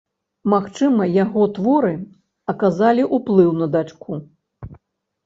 Магчыма, яго творы аказалі ўплыў на дачку.